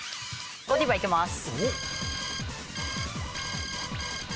ゴディバいきます。